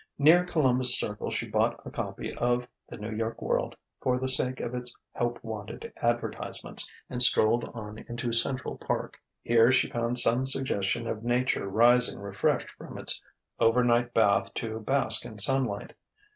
Near Columbus Circle she bought a copy of the New York World for the sake of its "Help Wanted" advertisements, and strolled on into Central Park. Here she found some suggestion of nature rising refreshed from its over night bath to bask in sunlight.